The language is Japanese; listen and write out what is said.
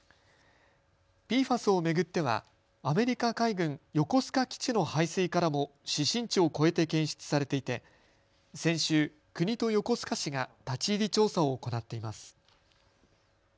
ＰＦＡＳを巡ってはアメリカ海軍横須賀基地の排水からも指針値を超えて検出されていて先週、国と横須賀市が立ち入り調査を行っています。